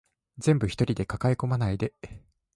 全部一人で抱え込まないで